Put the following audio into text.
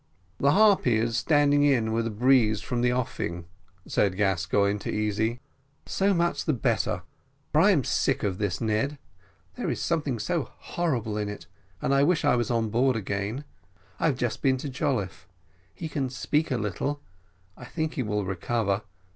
"The Harpy is standing in with a breeze from the offing," said Gascoigne to Easy. "So much the better, for I am sick of this, Ned; there is something so horrible in it, and I wish I was on board again. I have just been to Jolliffe; he can speak a little; I think he will recover.